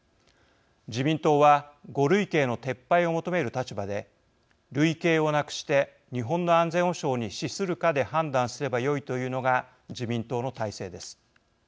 自民党は５類型の撤廃を求める立場で類型をなくして日本の安全保障に資するかで判断すればよいというのが自民党の大勢です。